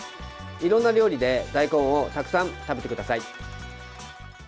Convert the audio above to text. いろんな料理で大根をたくさん食べてください。